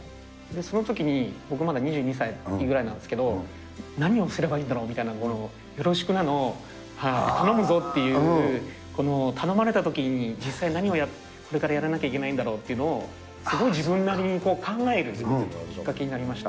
そのときに、僕まだ２２歳ぐらいなんですけど、何をすればいいんだろうみたいな、よろしくなの、頼むぞっていう、この頼まれたときに、実際何をこれからやらなきゃいけないんだろうっていうのをすごい自分なりに、こう考えるきっかけになりました。